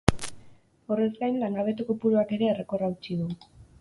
Horrez gain, langabetu kopuruak ere errekorra hautsi du.